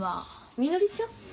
みのりちゃん？